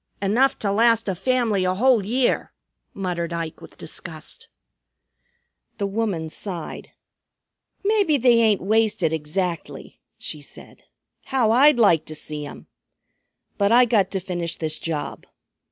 "Enough to last a family a whole year," muttered Ike with disgust. The woman sighed. "Maybe they ain't wasted exactly," she said. "How I'd like to see 'em! But I got to finish this job.